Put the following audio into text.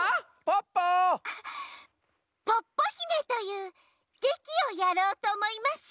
「ポッポひめ」というげきをやろうとおもいます。